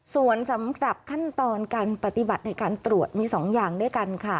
ส่วนสำหรับขั้นตอนการปฏิบัติในการตรวจมี๒อย่างด้วยกันค่ะ